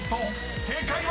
［正解は⁉］